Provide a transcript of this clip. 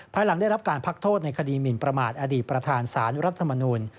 ภายหลังได้รับการพักโทษในคดีหมินประมาทอดีตประธานสารรัฐมนูล